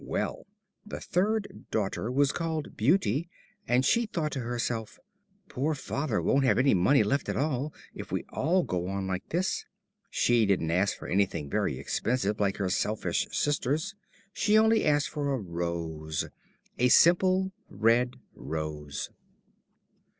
"Well, the third daughter was called Beauty. And she thought to herself, 'Poor Father won't have any money left at all, if we all go on like this!' So she didn't ask for anything very expensive, like her selfish sisters, she only asked for a rose. A simple red rose."